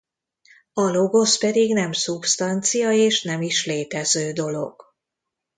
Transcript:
A logosz pedig nem szubsztancia és nem is létező dolog.